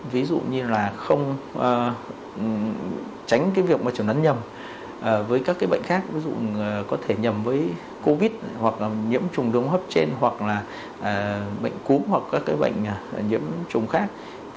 tránh cái việc mà chẳng đắn nhầm với các cái bệnh khác ví dụ có thể nhầm với covid hoặc là nhiễm trùng đúng hấp trên hoặc là bệnh cú hoặc các cái bệnh nhiễm trùng khác